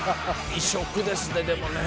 異色ですねでもね。